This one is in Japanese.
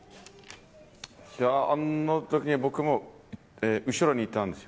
あのとき、僕も後ろにいたんです。